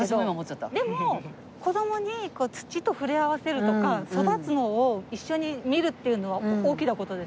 でも子供に土と触れ合わせるとか育つのを一緒に見るっていうのは大きな事ですよね。